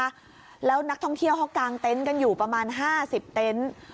และเค้าหนักท่องเที่ยวกันอยู่ประมาณ๕๐เต็นต์